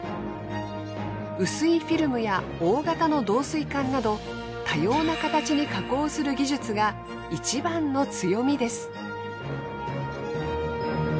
薄いフィルムや大型の導水管など多様な形に加工する技術が一番の強みです。